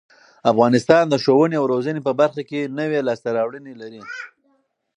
افغانستان د ښوونې او روزنې په برخه کې نوې لاسته راوړنې لري.